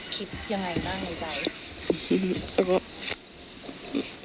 คิดยังไงของใจ